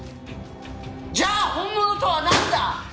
じゃあ本物とはなんだ！？